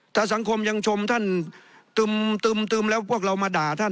ถ้าสังคมยังชมท่านตึมแล้วพวกเรามาด่าท่าน